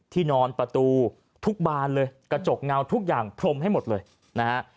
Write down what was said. นอนประตูทุกบานเลยกระจกเงาทุกอย่างพรมให้หมดเลยนะฮะ